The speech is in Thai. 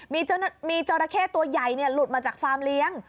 มีจราเข้ตัวใหญ่หลุดมาจากฟาร์มเลี้ยง